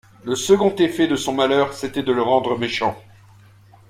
Le second effet de son malheur, c’était de le rendre méchant.